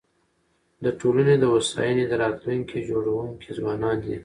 د ټولني د هوساینې د راتلونکي جوړونکي ځوانان دي.